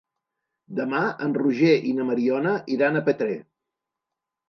Demà en Roger i na Mariona iran a Petrer.